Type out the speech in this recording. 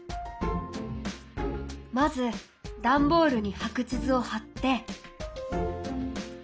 まずダンボールに白地図を貼って！